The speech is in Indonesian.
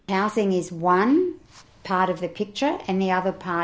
pembangunan adalah bagian satu dari gambar